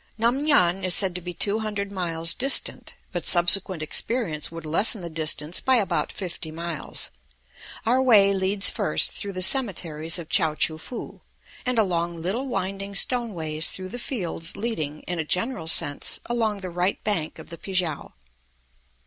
Nam ngan is said to be two hundred miles distant, but subsequent experience would lessen the distance by about fifty miles. Our way leads first through the cemeteries of Chao choo foo, and along little winding stone ways through the fields leading, in a general sense, along the right bank of the Pi kiang.